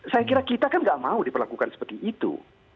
saya kira kita kan nggak mau diperlakukan seperti itu